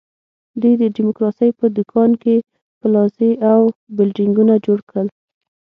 دوی د ډیموکراسۍ په دوکان کې پلازې او بلډینګونه جوړ کړل.